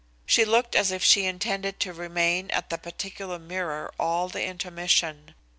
She looked as if she intended to remain at the particular mirror all the intermission.